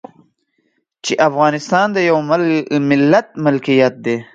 چې افغانستان د يوه ملت ملکيت دی.